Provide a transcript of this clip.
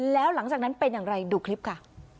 แล้วหลังจากนั้นเป็นอย่างไรดูคลิปค่ะ